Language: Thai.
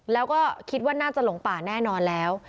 แล้วก็คิดว่าน่าจะหลงป่าแน่นอนแล้ว